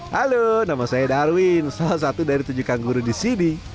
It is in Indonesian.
halo nama saya darwin salah satu dari tujuh kangguru di sini